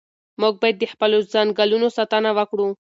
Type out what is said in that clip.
موږ باید د خپلو ځنګلونو ساتنه وکړو.